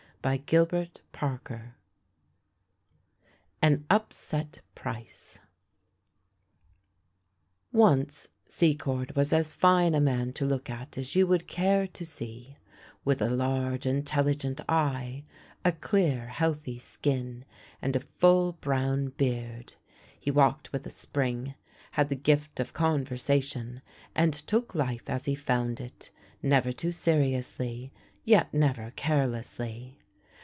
AN UPSET PRICE AN UPSET PRICE ONCE Secord was as fine a man to look at as you would care to see : with a large, intelligent eye, a clear, healthy skin, and a full, brown beard. He walked with a spring, had the gift of conversation, and took life as he found it : never too seriously, yet never carelessly.